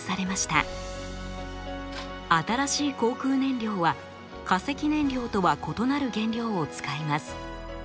新しい航空燃料は化石燃料とは異なる原料を使います。